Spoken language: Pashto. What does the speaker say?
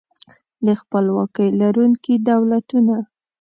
د خپلواکۍ لرونکي دولتونه